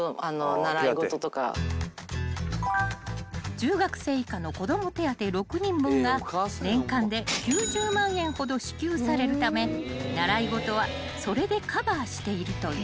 ［中学生以下の子供手当６人分が年間で９０万円ほど支給されるため習い事はそれでカバーしているという］